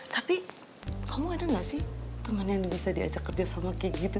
tapi kamu ada nggak sih teman yang bisa diajak kerja sama kayak gitu